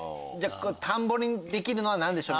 「田んぼにできるのは何でしょう」